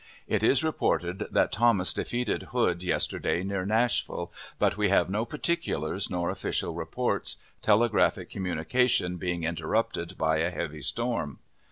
It is reported that Thomas defeated Hood yesterday, near Nashville, but we have no particulars nor official reports, telegraphic communication being interrupted by a heavy storm.